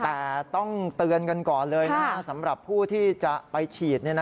แต่ต้องเตือนกันก่อนเลยนะสำหรับผู้ที่จะไปฉีด